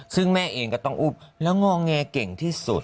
ซึ่งแม่เองก็ต้องอุ้มแล้วงอแงเก่งที่สุด